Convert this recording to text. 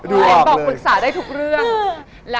เห็นบอกปรึกษาได้ทุกเรื่อง